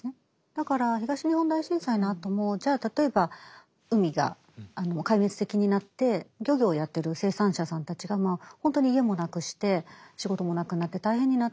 だから東日本大震災のあともじゃあ例えば海がもう壊滅的になって漁業をやってる生産者さんたちが本当に家もなくして仕事もなくなって大変になった。